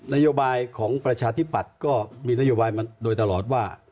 นโยบายของประชาธิปัตย์ก็มีนโยบายมาโดยตลอดว่า